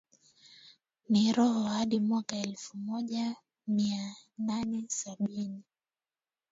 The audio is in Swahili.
ya kiroho hadi mwaka elfu moja Mia nane sabini